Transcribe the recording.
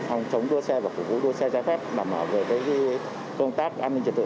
phòng chống đua xe và phục vụ đua xe trái phép đảm bảo về công tác an ninh trật tự